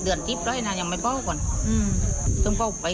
เนื้อละว่าจะจึงมาแล้ว